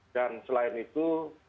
dan selain itu